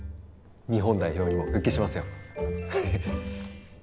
日本代表にも復帰しますよ